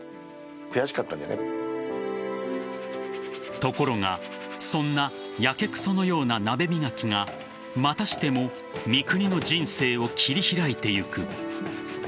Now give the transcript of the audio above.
ところがそんなやけくそのような鍋磨きがまたしても三國の人生を切り開いていく。